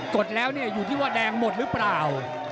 ดแล้วอยู่ที่ว่าแดงหมดหรือเปล่า